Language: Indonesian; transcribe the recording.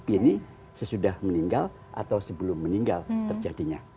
ini sesudah meninggal atau sebelum meninggal terjadinya